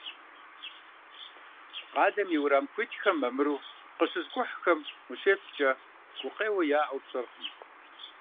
Къалэм и уэрам хуитхэм мамыру къыщызыкӏухьэм ущеплъкӏэ, гукъеуэ яӏэу пщӏэркъым.